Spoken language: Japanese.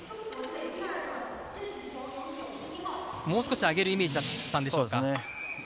もう少し上げるイメージだったんでしょうか？